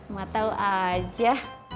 mak tau aja